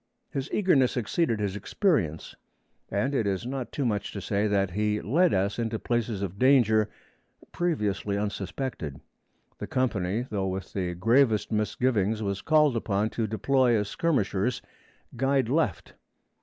His eagerness exceeded his experience, and it is not too much to say that he led us into places of danger previously unsuspected. The company, though with the gravest misgivings, was called upon to deploy as skirmishers, guide left.